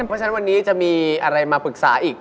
เพราะฉะนั้นวันนี้จะมีอะไรมาปรึกษาอีก